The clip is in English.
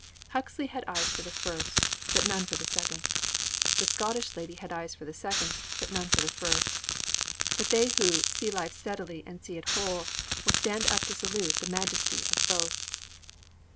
_ Huxley had eyes for the first, but none for the second; the Scottish lady had eyes for the second, but none for the first; but they who 'see life steadily and see it whole' will stand up to salute the majesty of both.